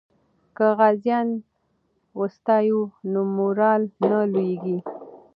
که غازیان وستایو نو مورال نه لویږي.